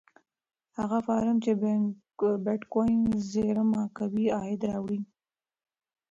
هغه فارم چې بېټکوین زېرمه کوي عاید راوړي.